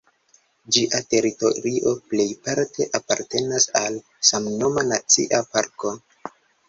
Ĝia teritorio plejparte apartenas al samnoma nacia parko.